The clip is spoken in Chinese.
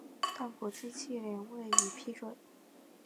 但国际汽联未予批准。